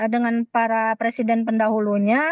dengan para presiden pendahulunya